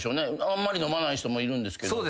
あんまり飲まない人もいるんですけど。